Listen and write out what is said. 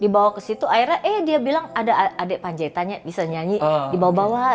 dibawa ke situ akhirnya eh dia bilang ada adik panjaitannya bisa nyanyi di bawah bawah